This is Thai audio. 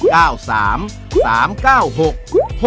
สวัสดีครับ